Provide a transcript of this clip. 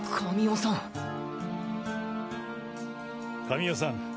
神尾さん